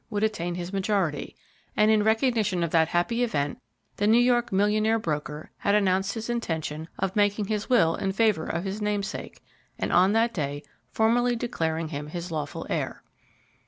would attain his majority, and in recognition of that happy event the New York millionaire broker had announced his intention of making his will in favor of his namesake, and on that day formally declaring him his lawful heir.